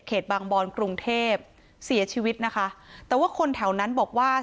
บางบอนกรุงเทพเสียชีวิตนะคะแต่ว่าคนแถวนั้นบอกว่า